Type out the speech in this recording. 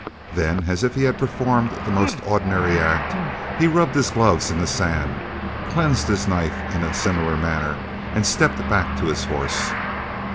Then, as if he had performed the most ordinary act, he rubbed his gloves in the sand, cleansed his knife in a similar manner, and stepped back to his horse.